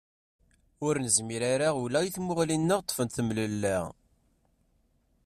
Ur nezmir ara ula i tmuɣli-nneɣ, ṭṭfent temlella.